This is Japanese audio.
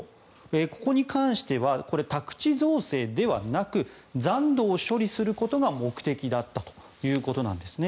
ここに関しては宅地造成ではなく残土を処理することが目的だったということなんですね。